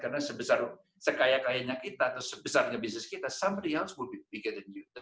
karena sekaya kayanya kita atau sebesarnya bisnis kita seseorang lain akan lebih besar daripada anda